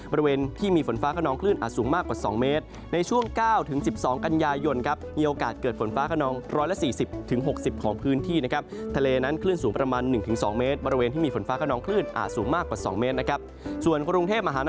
บริเวณที่มีฝนฟ้าขนองคลื่นอาจสูงมากกว่า๒เมตร